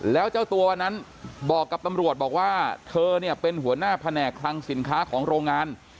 แล้วเจ้าตัววันนั้นบอกกับตำรวจบอกว่าเธอเนี่ยเป็นหัวหน้าแผนกคลังสินค้าของโรงงาน